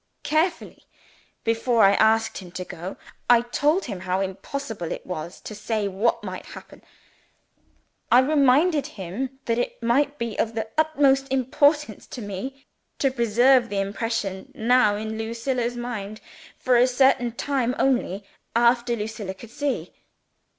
"Carefully before I asked him to go. I told him how impossible it was to say what might happen. I reminded him that it might be of the utmost importance to me to preserve the impression now in Lucilla's mind for a certain time only after Lucilla could see.